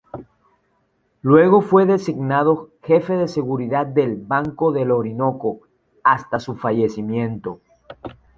Luego fue designado Jefe de Seguridad del "Banco del Orinoco" hasta su fallecimiento.